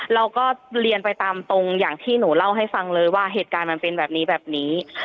เราก็เรียนไปตามตรงอย่างที่หนูเล่าให้ฟังเลยว่าเหตุการณ์มันเป็นแบบนี้แบบนี้